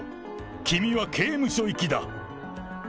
君は刑務所行きだ。